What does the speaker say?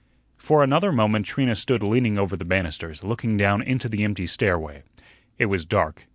For another moment Trina stood leaning over the banisters, looking down into the empty stairway. It was dark.